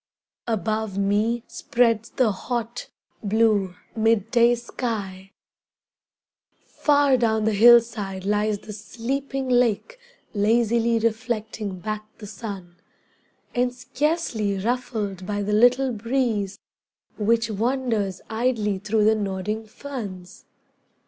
Above me spreads the hot, blue mid day sky, Far down the hillside lies the sleeping lake Lazily reflecting back the sun, And scarcely ruffled by the little breeze Which wanders idly through the nodding ferns.